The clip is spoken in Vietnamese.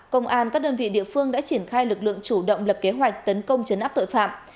công an các đơn vị địa phương đã triển khai lực lượng chủ động lập kế hoạch tấn công chấn áp tội phạm